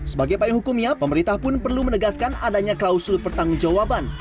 sebagai pahing hukumnya pemerintah pun perlu menegaskan adanya klausul pertanggungjawaban